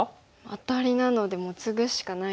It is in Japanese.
アタリなのでもうツグしかないですね。